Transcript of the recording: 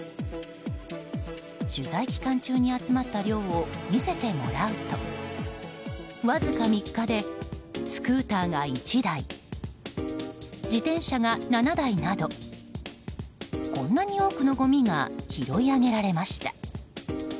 取材期間中に集まった量を見せてもらうとわずか３日で、スクーターが１台自転車が７台などこんなに多くのごみが拾い上げられました。